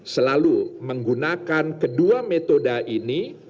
selalu menggunakan kedua metode ini